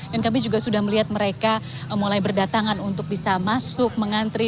dan kami juga sudah melihat mereka mulai berdatangan untuk bisa masuk mengantri